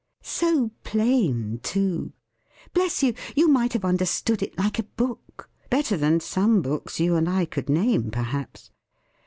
So plain, too! Bless you, you might have understood it like a book better than some books you and I could name, perhaps.